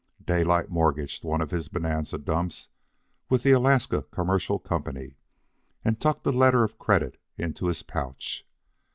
Daylight mortgaged one of his Bonanza dumps with the Alaska Commercial Company, and tucked a letter of credit into his pouch.